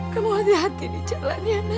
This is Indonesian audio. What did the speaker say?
kamu hati hati di jalan ya